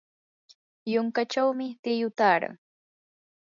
yunkachawmi tiyu taaran.